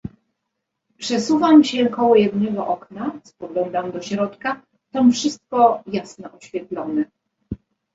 "Przesuwam się koło jednego okna; spoglądam do środka: tam wszystko jasno oświetlone."